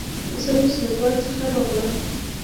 زه اوس له کار څخه راغلم.